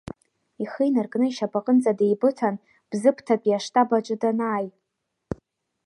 Ихы инаркны ишьапаҟынӡа деибыҭан Бзыԥҭатәи аштаб аҿы данааи.